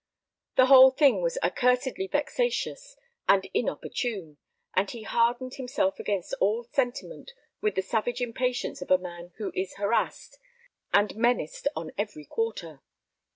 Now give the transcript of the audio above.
The whole thing was accursedly vexatious and inopportune, and he hardened himself against all sentiment with the savage impatience of a man who is harassed and menaced on every quarter.